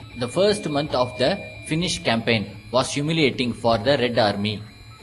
The first month of the Finnish campaign was humiliating for the Red Army.